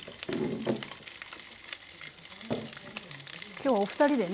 今日お二人でね